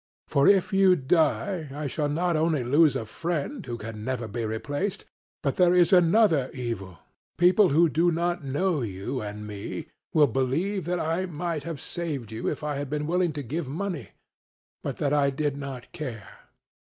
For if you die I shall not only lose a friend who can never be replaced, but there is another evil: people who do not know you and me will believe that I might have saved you if I had been willing to give money, but that I did not care.